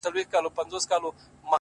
اوس مي د زړه پر تكه سپينه پاڼه’